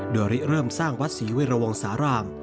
โดยเริ่มสร้างวัดศรีวิรวงสาราม